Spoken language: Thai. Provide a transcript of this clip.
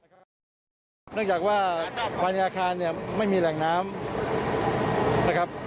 เนื่องจากว่าฝ่ายในอาคารไม่มีแหล่งน้ำ